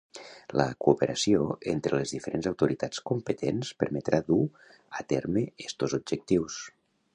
La cooperació entre les diferents autoritats competents permetrà dur a terme estos objectius.